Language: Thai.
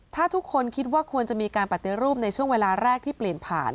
ถ้าทุกคนคิดว่าควรจะมีการปฏิรูปในช่วงเวลาแรกที่เปลี่ยนผ่าน